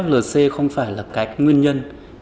flc không phải là cái nguyên nhân